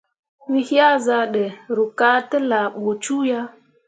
We yea zah ɗə, ruu ka tə laa ɓə cuu ya.